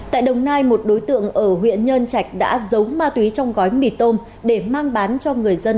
tại đồng nai một đối tượng ở huyện nhơn trạch đã giấu ma túy trong gói mì tôm để mang bán cho người dân